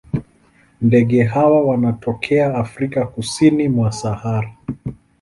Ndege hawa wanatokea Afrika kusini mwa Sahara.